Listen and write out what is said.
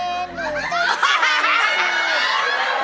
เป็นเรื่องราวของแม่นาคกับพี่ม่าครับ